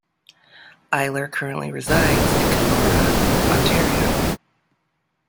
Eyler currently resides in Kenora, Ontario.